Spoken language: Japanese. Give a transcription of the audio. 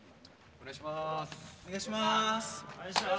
お願いします！